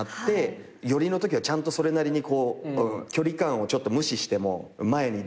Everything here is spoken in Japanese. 寄りのときはちゃんとそれなりに距離感をちょっと無視しても前に出るような。